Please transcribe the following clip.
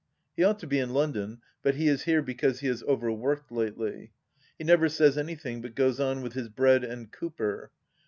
He ought to be in London, but he is here because he has overworked lately. He never says anything, but goes on with his bread and " Cooper."